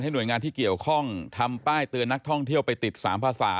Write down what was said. หน่วยงานที่เกี่ยวข้องทำป้ายเตือนนักท่องเที่ยวไปติด๓ภาษา